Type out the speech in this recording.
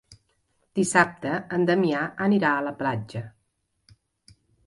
Dissabte en Damià anirà a la platja.